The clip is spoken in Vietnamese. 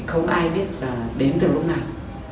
không ai biết là đến từ lúc nào